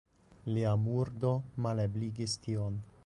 Lia murdo malebligis tion.